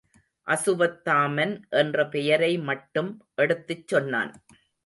அசுவத்தாமன் என்ற பெயரை மட்டும் எடுத்துச் சொன்னான்.